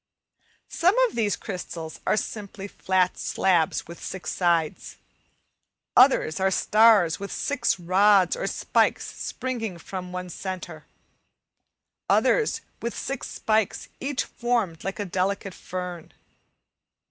Some of these crystals are simply flat slabs with six sides, others are stars with six rods or spikes springing from the centre, others with six spikes each formed like a delicate fern.